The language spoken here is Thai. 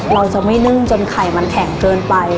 เราจะไม่นึ่งจนไข่มันแข็งเกินไป